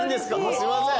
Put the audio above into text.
すいません。